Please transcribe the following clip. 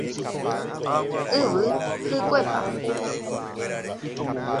Yvy hykuepa